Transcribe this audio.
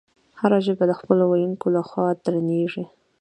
هره ژبه د خپلو ویونکو له خوا درنیږي.